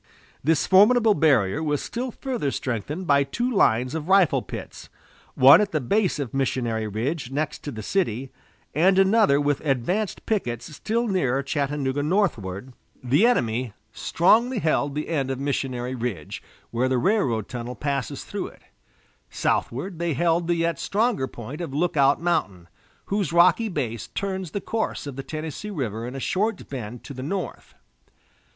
This formidable barrier was still further strengthened by two lines of rifle pits, one at the base of Missionary Ridge next to the city, and another with advanced pickets still nearer Chattanooga Northward, the enemy strongly held the end of Missionary Ridge where the railroad tunnel passes through it; southward, they held the yet stronger point of Lookout Mountain, whose rocky base turns the course of the Tennessee River in a short bend to the north.